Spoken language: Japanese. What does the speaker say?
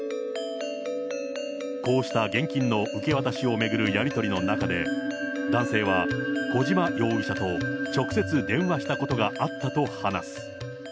こうした現金の受け渡しを巡るやり取りの中で、男性は小島容疑者と直接電話したことがあったと話す。